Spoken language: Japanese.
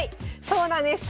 そうなんです。